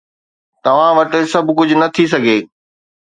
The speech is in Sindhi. توهان وٽ سڀ ڪجهه نه ٿي سگهي.